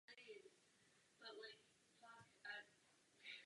Data podle eurocopter.com.